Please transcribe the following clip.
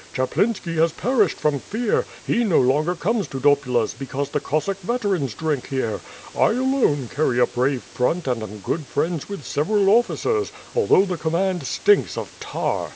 Chaplinski has perished from fear; he no longer comes to Dopula's because the Cos sack veterans drink here. 1 alone cary a brave front and am good friends with several officers, although the command stinks of tar.